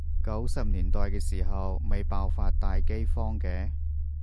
九十年代嘅時候咪爆發大饑荒嘅？